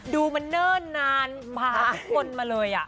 ดูมันเนิ่นนานมาครั้งนั้นมาเลยอะ